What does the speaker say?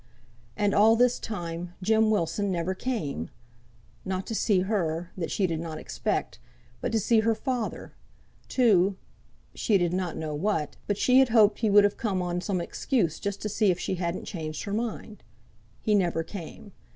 And all this time Jem Wilson never came! Not to see her that she did not expect but to see her father; to she did not know what, but she had hoped he would have come on some excuse, just to see if she hadn't changed her mind. He never came.